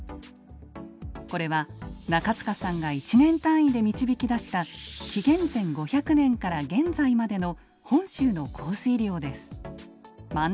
これは中塚さんが１年単位で導き出した紀元前５００年から現在までの本州の降水量です。